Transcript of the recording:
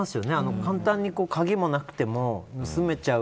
簡単に鍵もなくても盗めちゃう。